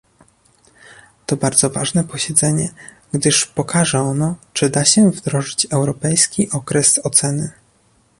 To bardzo ważne posiedzenie, gdyż pokaże ono, czy da się wdrożyć europejski okres oceny